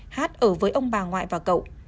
hát ở với ông bà ngoại và cậu